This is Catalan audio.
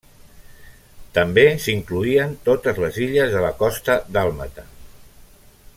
També s'incloïen totes les illes de la costa dàlmata.